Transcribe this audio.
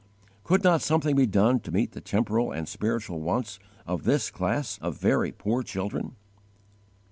Could not something be done to meet the temporal and spiritual wants of this class of very poor children?